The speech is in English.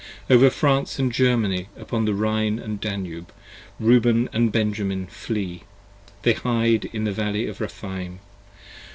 Over France & Germany, upon the Rhine & Danube, Reuben & Benjamin flee: they hide in the Valley of Rephaim.